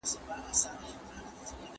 ¬ پر اوښ سپور، سپي وخوړ.